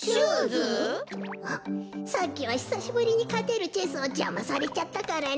こころのこえさっきはひさしぶりにかてるチェスをじゃまされちゃったからね。